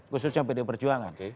khususnya pdi perjuangan